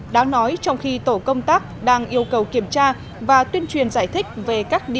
đáng nói trong khi tổ công tác đang yêu cầu kiểm tra và tuyên truyền giải thích về các điểm